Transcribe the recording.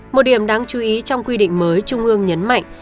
một điểm đáng chú ý trong quy định mới trung ương nhấn mạnh